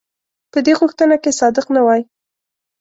په دې غوښتنه کې صادق نه وای.